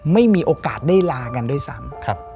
ไม่มีโอกาสได้ลากันด้วยซ้ำ